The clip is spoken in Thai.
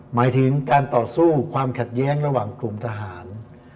หมายถึงการต่อสู้ความขัดแย้งระหว่างกลุ่มทหาร